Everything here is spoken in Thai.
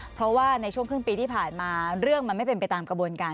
เพราะว่าในช่วงครึ่งปีที่ผ่านมาเรื่องมันไม่เป็นไปตามกระบวนการ